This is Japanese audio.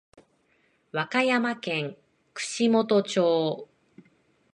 和歌山県串本町